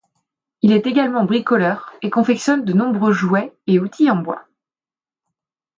Il est également bricoleur et confectionne de nombreux jouets et outils en bois.